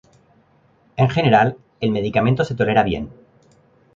En general, el medicamento se tolera bien.